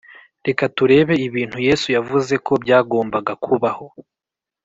Reka turebe ibintu Yesu yavuze ko byagombaga kubaho